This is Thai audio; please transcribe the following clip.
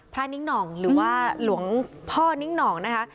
นิ้งหน่องหรือว่าหลวงพ่อนิ้งหน่องนะคะ